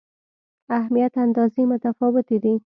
اهمیت اندازې متفاوتې دي.